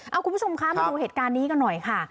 เอาคุณผู้ชมคะมาดูเหตุการณ์นี้กันหน่อยค่ะ